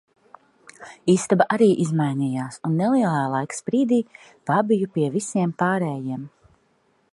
Istaba arī izmainījās un nelielā laika sprīdī pabiju pie visiem pārējiem.